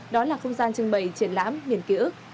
đó là không gian trưng bày triển lãm miền ký ức